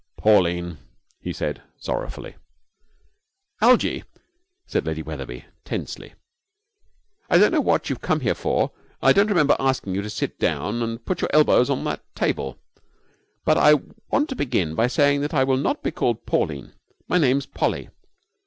'Pauline!' he said, sorrowfully. 'Algie!' said Lady Wetherby, tensely. 'I don't know what you've come here for, and I don't remember asking you to sit down and put your elbows on that table, but I want to begin by saying that I will not be called Pauline. My name's Polly.